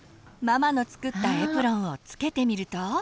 ママの作ったエプロンをつけてみると。